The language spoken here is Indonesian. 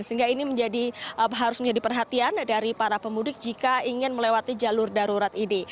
sehingga ini harus menjadi perhatian dari para pemudik jika ingin melewati jalur darurat ini